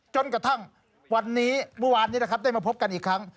จนกระทั่งวันนี้วันวานนี้ได้มาพบกันอีกครั้ง